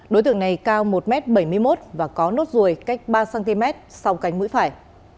đối tượng này cao một m bảy mươi một và có nốt ruồi cách ba cm sau cánh mũi phải